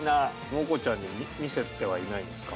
モコちゃんに見せてはいないんですか？